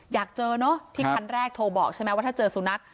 อยากเจอเนอะที่คันแรกโทรบอกใช่ไหมว่าถ้าเจอสุนัข